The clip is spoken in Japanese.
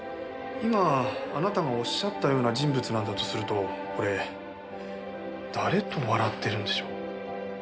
今あなたがおっしゃったような人物なんだとするとこれ誰と笑ってるんでしょう？